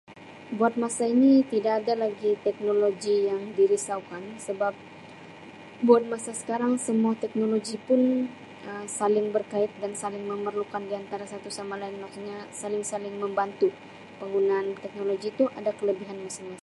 Buat masa ini tidak ada lagi teknologi yang dirisaukan sebab buat masa sekarang semua teknologi pun Um saling berkait dan saling memerlukan di antara satu sama lain maksudnya saling-saling membantu penggunaan teknologi tu ada kelebihan masing-masing.